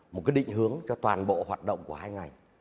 một cái định hướng cho toàn bộ hoạt động của hai ngành